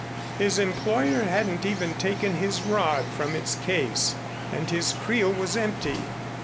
His employer hadn't even taken his rod from its case, and his creel was empty.